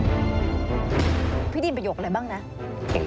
พี่ดีมประโยคอะไรบ้างนะ